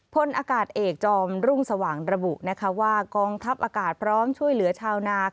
พลอากาศเอกจอมรุ่งสว่างระบุนะคะว่ากองทัพอากาศพร้อมช่วยเหลือชาวนา